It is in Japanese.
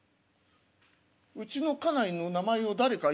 うちの家内の名前を誰か呼んだかな？